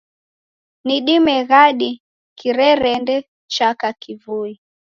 Ni dime ghadi kirerende chaka kivui